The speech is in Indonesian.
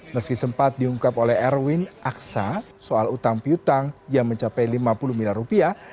meski sempat diungkap oleh erwin aksa soal utang piutang yang mencapai lima puluh miliar rupiah